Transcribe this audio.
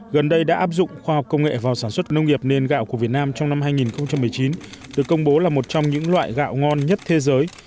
gần đây đã áp dụng khoa học công nghệ vào sản xuất nông nghiệp nền gạo của việt nam trong năm hai nghìn một mươi chín được công bố là một trong những loại gạo ngon nhất thế giới